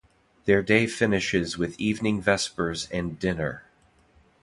Their day finishes with evening vespers and dinner.